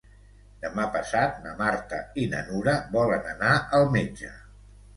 Demà passat na Marta i na Nura volen anar al metge.